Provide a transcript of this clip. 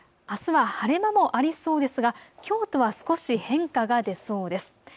あすは晴れ間もありそうですがきょうとは少し変化が出そうです。